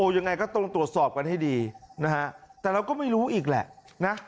อย่างไรก็ต้องตรวจสอบกันให้ดีแต่เราก็ไม่รู้อีกแหละ